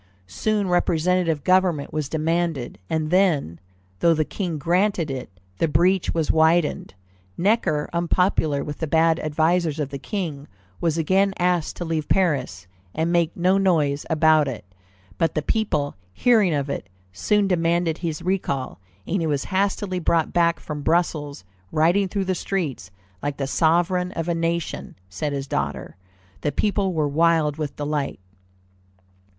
Soon representative government was demanded, and then, though the King granted it, the breach was widened. Necker, unpopular with the bad advisers of the King, was again asked to leave Paris, and make no noise about it; but the people, hearing of it, soon demanded his recall, and he was hastily brought back from Brussels, riding through the streets like "the sovereign of a nation," said his daughter. The people were wild with delight.